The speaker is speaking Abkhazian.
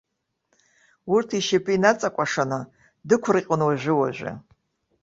Урҭ ишьапы инаҵакәашаны, дықәырҟьон уажәы-уажәы.